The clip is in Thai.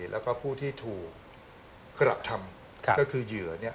แล้วก็ผู้ที่ถูกกระทำก็คือเหยื่อ